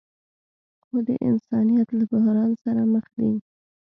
خو د انسانیت له بحران سره مخ دي.